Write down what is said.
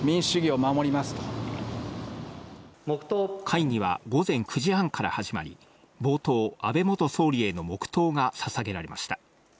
会議は午前９時半から始まり冒頭、安倍元総理への黙祷がささげられました。